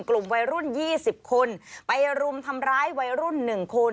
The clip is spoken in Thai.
กลุ่มวัยรุ่น๒๐คนไปรุมทำร้ายวัยรุ่น๑คน